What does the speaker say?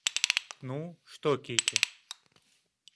Ну, что Кити?